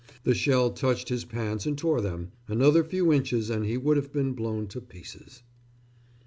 The shell touched his pants and tore them another few inches and he would have been blown to pieces....